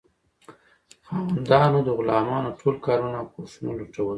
خاوندانو د غلامانو ټول کارونه او کوښښونه لوټول.